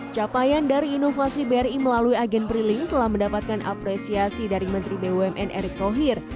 capaian dari inovasi bri melalui agen bri link telah mendapatkan apresiasi dari menteri bumn erick thohir